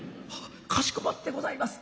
「かしこまってございます」。